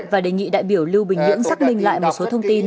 và đề nghị đại biểu lưu bình nhưỡng xác minh lại một số thông tin